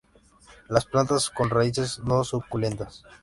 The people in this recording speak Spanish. Las plantas con raíces, no suculentas.